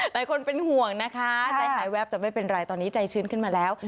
หลายคนเป็นห่วงนะคะใจหายแวบแต่ไม่เป็นไรตอนนี้ใจชื้นขึ้นมาแล้ว